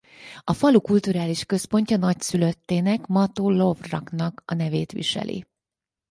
A falu kulturális központja nagy szülöttének Mato Lovraknak a nevét viseli.